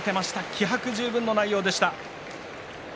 気迫十分の内容でした。